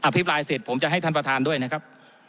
ภิปรายเสร็จผมจะให้ท่านประธานด้วยนะครับ